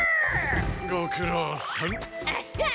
・ごくろうさん。